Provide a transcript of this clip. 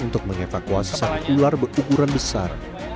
untuk mengevakuasi satu ular berukuran besar